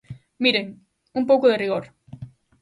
Miren, un pouco de rigor.